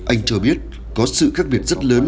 anh cho biết có sự khác biệt rất lớn